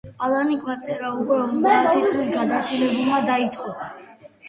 პალანიკმა წერა უკვე ოცდაათ წელს გადაცილებულმა დაიწყო.